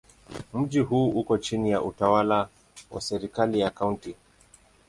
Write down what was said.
Mji huu uko chini ya utawala wa serikali ya Kaunti.